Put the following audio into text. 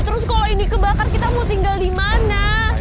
terus kalau ini kebakar kita mau tinggal dimana